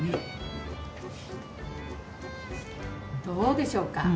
どうでしょうか？